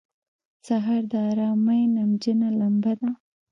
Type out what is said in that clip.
سهار د آرامۍ نمجنه لمبه ده.